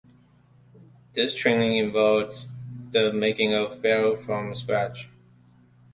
This training involved the making of barrels from scratch.